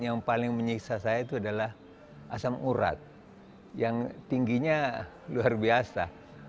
yang paling menyiksa saya itu adalah asam urat yang tingginya luar biasa